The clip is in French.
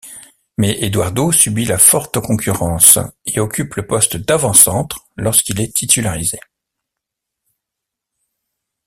Mais Eduardo subit la forte concurrence, et occupe le poste d'avant-centre lorsqu'il est titularisé.